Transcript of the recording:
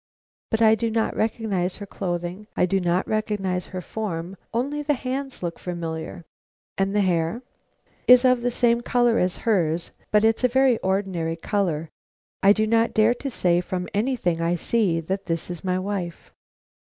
But I do not recognize her clothing; I do not recognize her form; only the hands look familiar." "And the hair?" "Is of the same color as hers, but it's a very ordinary color. I do not dare to say from anything I see that this is my wife."